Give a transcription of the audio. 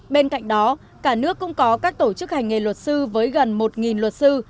bên cạnh đó cả nước cũng có các tổ chức hành nghề luật sư với gần một luật sư